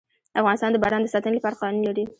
افغانستان د باران د ساتنې لپاره قوانین لري.